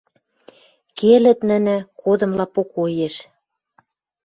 «Келӹт нӹнӹ, кодымла покоеш, —